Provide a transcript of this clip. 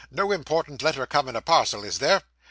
No important letter come in a parcel, is there?